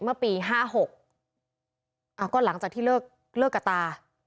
เมื่อปีห้าหกอ่ะก็หลังจากที่เลิกเลิกกระตา